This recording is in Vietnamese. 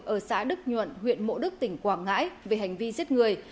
ở xã đức nhuận huyện mộ đức tỉnh quảng ngãi về hành vi giết người